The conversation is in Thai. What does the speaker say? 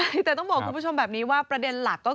ใช่แต่ต้องบอกคุณผู้ชมแบบนี้ว่าประเด็นหลักก็คือ